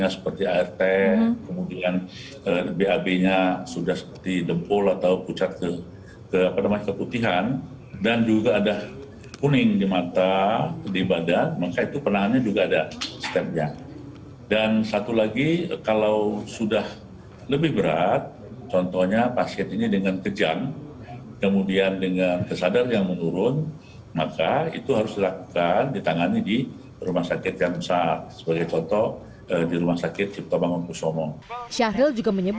serta mencegah resiko kematian